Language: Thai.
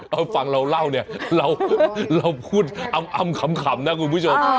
เอาฟังเราเล่าเนี่ยเราพูดอ้ำขำนะคุณผู้ชม